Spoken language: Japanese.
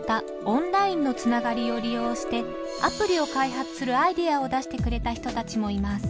オンラインのつながりを利用してアプリを開発するアイデアを出してくれた人たちもいます。